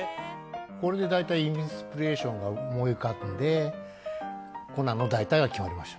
これで大体インスピレーションが思い浮かんで、コナンの大体が決まりました。